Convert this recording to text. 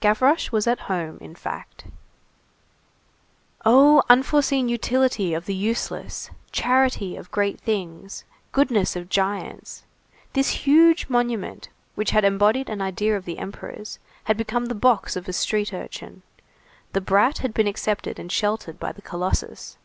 Gavroche was at home, in fact. Oh, unforeseen utility of the useless! Charity of great things! Goodness of giants! This huge monument, which had embodied an idea of the Emperor's, had become the box of a street urchin. The brat had been accepted and sheltered by the colossus.